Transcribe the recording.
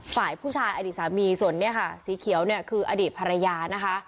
ฝ่ายผู้ชายอดีตสามีส่วนเนี่ยค่ะสีเขียวเนี่ยคืออดีตภรรยานะคะ